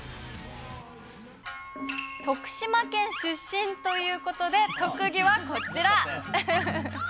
徳島県出身ということで、特技はこちら。